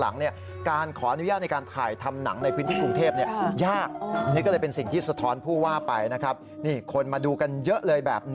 อันนี้คุณคุณตายซิริวัณรัชสัตว์ไปถ่ายรูปด้วยนะคะไทรัช